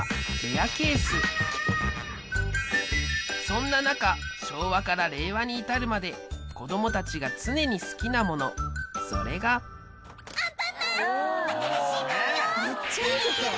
そんな中昭和から令和に至るまで子どもたちが常に好きなものそれがアンパンマン新しい顔よ！